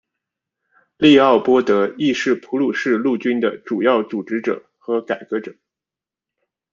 利奥波德亦是普鲁士陆军的主要组织者和改革者。